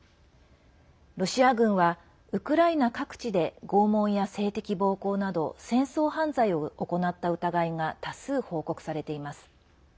ロシア軍はウクライナ各地で拷問や性的暴行など戦争犯罪を行った疑いが多数報告されています。